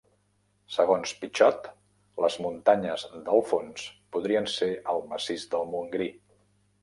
Segons Pitxot, les muntanyes del fons podrien ser el massís del Montgrí.